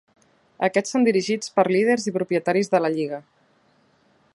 Aquests són dirigits per líders i propietaris de la Lliga.